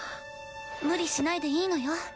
無理しないでいいのよ？